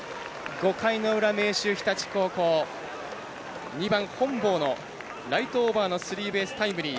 ５回の裏、明秀日立高校２番、本坊のライトオーバーのスリーベースタイムリー。